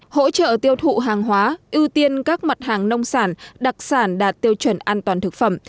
hỗ trợ tiêu thụ hàng hóa ưu tiên các mặt hàng nông sản đặc sản đạt tiêu chuẩn an toàn thực phẩm